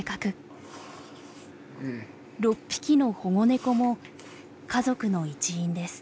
６匹の保護猫も家族の一員です。